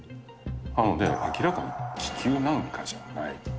なので、明らかに気球なんかじゃない。